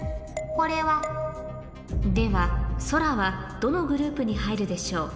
これは。では「そら」はどのグループに入るでしょう？